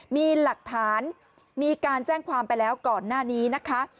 มีหลักฐานมีการแจ้งความไปแล้วก่อนหน้านี้นะคะ